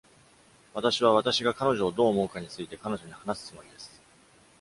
私は、私が彼女をどう思うかについて彼女に話すつもりです！